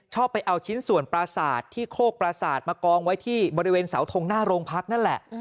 ไปเอาชิ้นส่วนปราสาทที่โคกประสาทมากองไว้ที่บริเวณเสาทงหน้าโรงพักนั่นแหละ